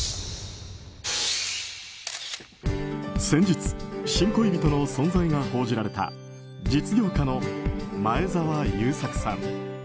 先日、新恋人の存在が報じられた実業家の前澤友作さん。